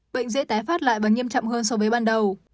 bệnh dễ tái phát lại và nghiêm trọng hơn so với ban đầu